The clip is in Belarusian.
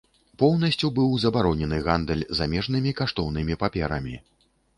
Поўнасцю быў забаронены гандаль замежнымі каштоўнымі паперамі.